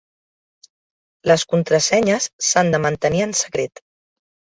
Les contrasenyes s'han de mantenir en secret.